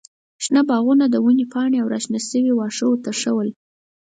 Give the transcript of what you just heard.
شنه باغونه، د ونو پاڼې او راشنه شوي واښه ورته ښه ول.